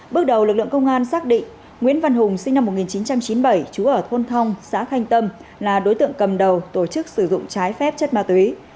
bước đầu lực lượng công an xác định nguyễn văn hùng sinh năm một nghìn chín trăm chín mươi bảy chú ở thôn thong xã khanh tâm là đối tượng cầm đầu tổ chức sử dụng trái phép chất ma túy